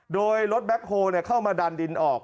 โดยรถแบ็คโฮลเข้ามาดันดินออก